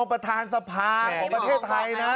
ประธานสภาของประเทศไทยนะ